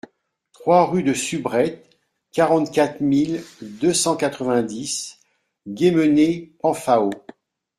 trois rue de Subrette, quarante-quatre mille deux cent quatre-vingt-dix Guémené-Penfao